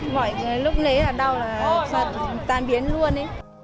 mọi người lúc lấy là đau là toàn biến luôn